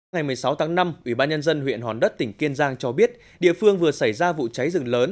ngày một mươi sáu tháng năm ubnd huyện hòn đất tỉnh kiên giang cho biết địa phương vừa xảy ra vụ cháy rừng lớn